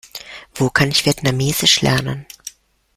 Wo kann ich Vietnamesisch lernen?